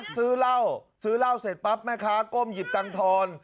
ซื้อเล่าเสร็จปั๊บแม่ค้าก้มหยิบตังธรณ์